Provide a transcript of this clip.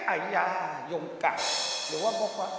อายายงกลับ